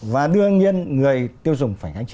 và đương nhiên người tiêu dùng phải ngang chịu